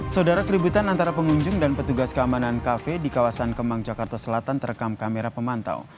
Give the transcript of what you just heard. saudara keributan antara pengunjung dan petugas keamanan kafe di kawasan kemang jakarta selatan terekam kamera pemantau